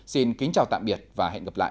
xin kính chào tạm biệt và hẹn gặp lại